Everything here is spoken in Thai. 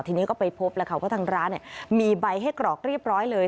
ทีนี้ก็ไปพบแล้วค่ะว่าทางร้านมีใบให้กรอกเรียบร้อยเลย